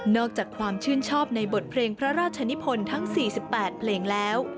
อกจากความชื่นชอบในบทเพลงพระราชนิพลทั้ง๔๘เพลงแล้ว